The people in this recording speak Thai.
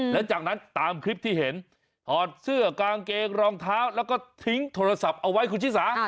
แล้วจากนั้นตามคลิปที่เห็นถอดเสื้อกางเกงรองเท้าแล้วก็ทิ้งโทรศัพท์เอาไว้คุณชิสา